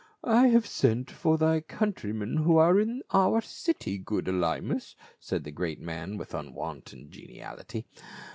" I have sent for thy coun try men who are in our city, good Elymas," said the great man with unwonted geniality.